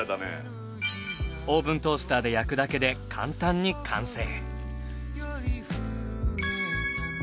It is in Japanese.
オーブントースターで焼くだけで簡単に完成。